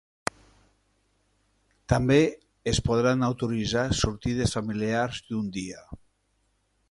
També es podran autoritzar sortides familiars d'un dia.